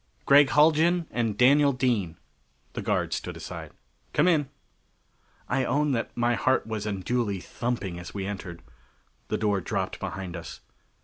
"Gregg Haljan and Daniel Dean." The guard stood aside. "Come in." I own that my heart was unduly thumping as we entered. The door dropped behind us.